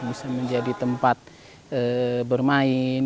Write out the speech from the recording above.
bisa menjadi tempat bermain